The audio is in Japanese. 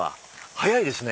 早いですね。